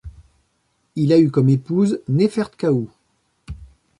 Il a eu comme épouse Néfertkaou.